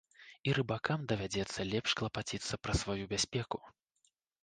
І рыбакам давядзецца лепш клапаціцца пра сваю бяспеку.